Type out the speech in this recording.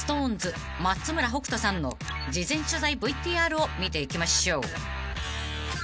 松村北斗さんの事前取材ＶＴＲを見ていきましょう］